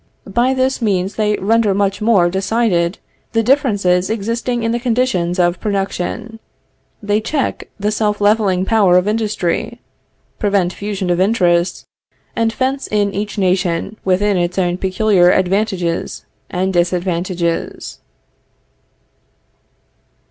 By this means they render much more decided the differences existing in the conditions of production; they check the self leveling power of industry, prevent fusion of interests, and fence in each nation within its own peculiar advantages and disadvantages.